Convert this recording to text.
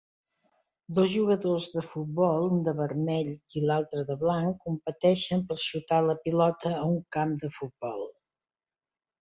Dos jugadors de futbol, un de vermell i l'altre de blanc, competeixen per xutar la pilota a un camp de futbol